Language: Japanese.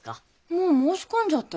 もう申し込んじゃったよ。